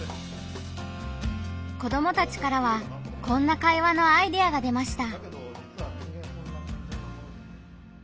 子どもたちからはこんな会話のアイデアが出ました。